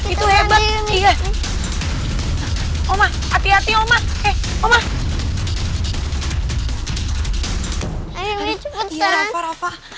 itu hebat iya om ah hati hati om ah eh om ah